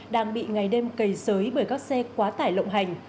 đang bị ngày đêm cầy sới bởi các xe quá tải lộng hành